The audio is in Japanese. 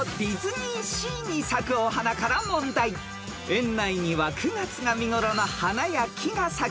［園内には９月が見頃の花や木が咲き誇り